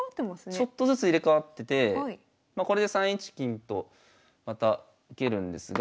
ちょっとずつ入れ代わっててこれで３一金とまた受けるんですが。